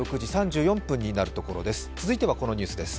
続いてはこのニュースです。